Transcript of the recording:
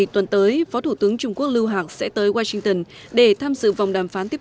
vào tuần mới phó thủ tướng trung quốc liu hang sẽ tới washington để tham dự vòng đàm phán tiếp